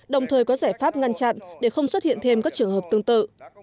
đồng thời có giải pháp ngăn chặn để không xuất hiện thêm các trường hợp tương tự